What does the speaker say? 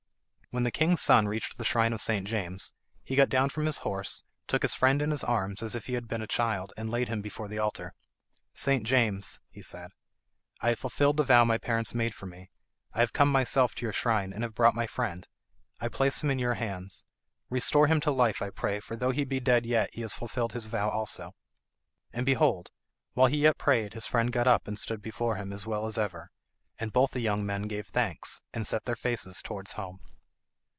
When the king's son reached the shrine of St. James he got down from his horse, took his friend in his arms as if he had been a child, and laid him before the altar. "St. James," he said, "I have fulfilled the vow my parents made for me. I have come myself to your shrine, and have brought my friend. I place him in your hands. Restore him to life, I pray, for though he be dead yet has he fulfilled his vow also." And, behold! while he yet prayed his friend got up and stood before him as well as ever. And both the young men gave thanks, and set their faces towards home.